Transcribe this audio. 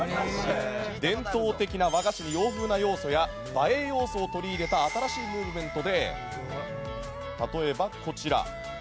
伝統的な和菓子に洋風な要素や映え要素を取り入れた新しいムーブメントで例えば、こちら。